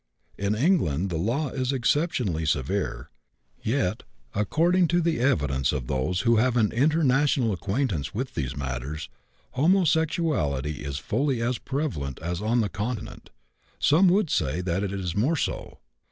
In England the law is exceptionally severe; yet, according to the evidence of those who have an international acquaintance with these matters, homosexuality is fully as prevalent as on the Continent; some would say that it is more so.